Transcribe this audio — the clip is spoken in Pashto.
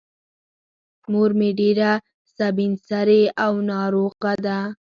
مور مې ډېره سبین سرې او ناروغه ده.